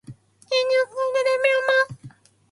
じんじをつくしててんめいをまつ